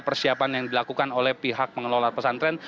persiapan yang dilakukan oleh pihak pengelola pesantren